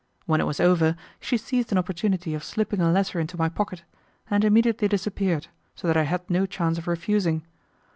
When it was over, she seized an opportunity of slipping a letter into my pocket, and immediately disappeared, so that I had no chance of refusing.